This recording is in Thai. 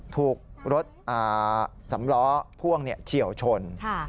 ถูกรถสำล้อพ่วงเฉียวชน